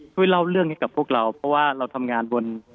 ช่วยเล่าเรื่องนี้กับพวกเราเพราะว่าเราทำงานบน